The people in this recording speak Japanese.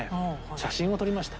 写真を撮りました。